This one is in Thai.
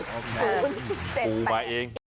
เสร็จไปอีกแล้วภูมิมาเอง